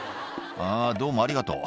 「あぁどうもありがとう」